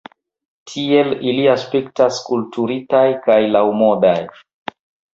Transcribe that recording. Tiel ili aspektas kulturitaj kaj laŭmodaj.